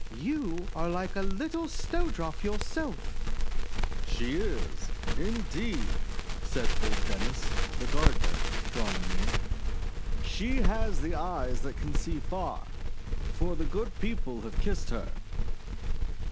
You are like a little Snowdrop yourself!' :<She is, indeed," said old Dennis, the gardener, drawing near. :<She has eyes that can see far! For the Good People have kissed her!'